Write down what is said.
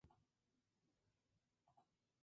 La casa está inspirada en la estructura de un puente.